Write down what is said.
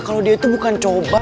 kalau dia tuh bukan cowok baik